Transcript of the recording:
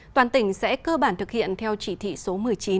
toàn tỉnh sẽ cơ bản thực hiện theo chỉ thị số một mươi chín